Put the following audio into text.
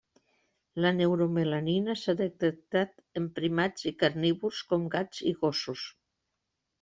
La neuromelanina s'ha detectat en primats i carnívors com gats i gossos.